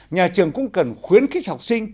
nhà trường cũng cần khuyến khích học sinh